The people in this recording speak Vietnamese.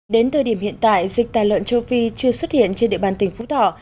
đến thời điểm hiện tại dịch tà lợn châu phi chưa xuất hiện trên địa bàn tỉnh phú thọ